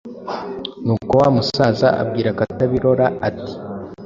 Nuko wa musaza abwira Katabirora ati: “